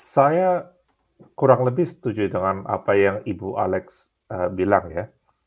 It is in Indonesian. saya kurang lebih setuju dengan apa yang ibu alex bilang ya